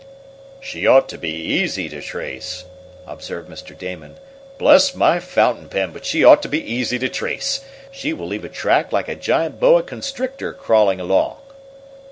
"She ought to be easy to trace," observed Mr. Damon. "Bless my fountain pen, but she ought to be easy to trace! She will leave a track like a giant boa constrictor crawling along."